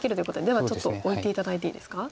ではちょっと置いて頂いていいですか？